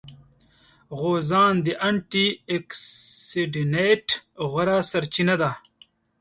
غوزان د انټي اکسیډېنټ غوره سرچینه ده.